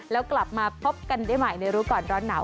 แล้วกลับมาพบกันได้ใหม่ในรู้ก่อนร้อนหนาว